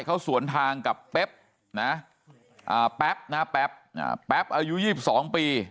เขาสวนทางกับแป๊บแป๊บอายุ๒๒ปี